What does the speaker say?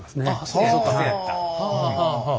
そやったそやった。